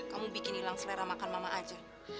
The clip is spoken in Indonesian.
kamu bikin hilang selera makan mama aja